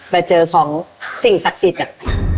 ไปเจอของสิ่งศักดิ์ศิลป์